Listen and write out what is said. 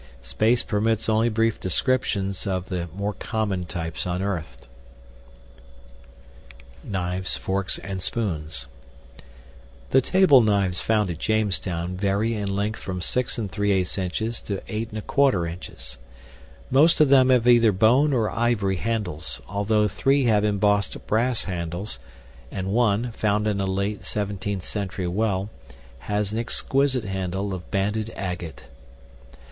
Space permits only brief descriptions of the more common types unearthed. KNIVES, FORKS, AND SPOONS The table knives found at Jamestown vary in length from 6 3/8 to 8 1/4 inches. Most of them have either bone or ivory handles, although 3 have embossed brass handles; and 1, found in a late 17th century well, has an exquisite handle of banded agate.